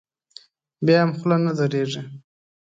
بیا هم خوله نه درېږي.